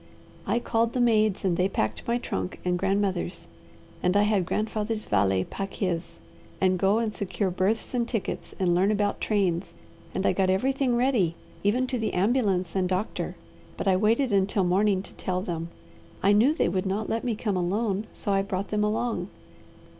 I called the maids and they packed my trunk and grandmother's, and I had grandfather's valet pack his, and go and secure berths and tickets, and learn about trains, and I got everything ready, even to the ambulance and doctor; but I waited until morning to tell them. I knew they would not let me come alone, so I brought them along.